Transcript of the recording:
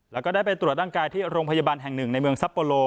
แล้วก็ได้ไปตรวจร่างกายที่โรงพยาบาลแห่งหนึ่งในเมืองซัปโปโล